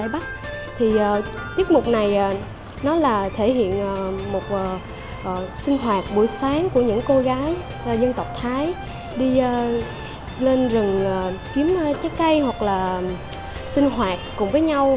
buổi sáng của những cô gái dân tộc thái đi lên rừng kiếm trái cây hoặc là sinh hoạt cùng với nhau